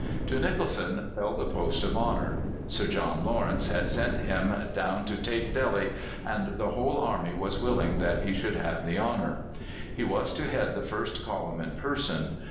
To Nicholson fell the post of honour. Sir John Lawrence had sent him down "to take Delhi," and the whole army was willing that he should have that honour. He was to head the first column in person.